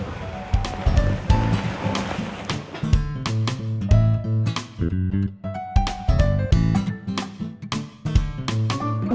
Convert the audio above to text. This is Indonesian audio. sampai jumpa lagi